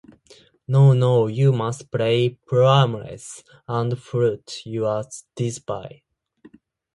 No, no; you must play Pyramus: and, Flute, you Thisby.